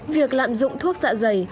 việc lạm dụng thuốc dạ dày